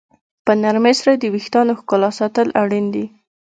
په نرمۍ سره د ویښتانو ښکلا ساتل اړین دي.